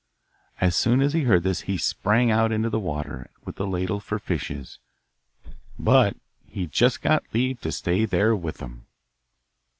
As soon as he heard this he sprang out into the water with the ladle for the fishes, but he just got leave to stay there with them!